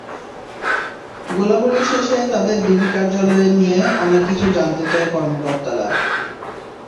গোলাগুলি শেষে তাঁদের ডিবি কার্যালয়ে নিয়ে অনেক কিছু জানতে চান কর্মকর্তারা।